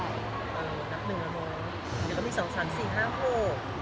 นักหนึ่งแล้วเนอะเดี๋ยวก็มีสาวสรรค์๔๕โปรด